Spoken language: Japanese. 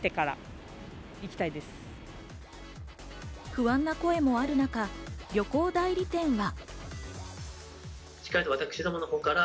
不安な声もある中、旅行代理店は。